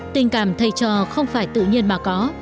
tình cảm thầy trò không phải tự nhiên mà có